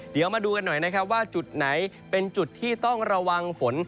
เดี๋ยวมาดูกันหน่อยนะครับว่าจุดไหนเป็นจุดที่ต้องระวังฝน